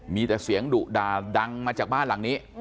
มีแต่เสียงดุด่าดังมาจากบ้านหลังนี้